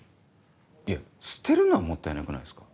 いや捨てるのはもったいなくないですか？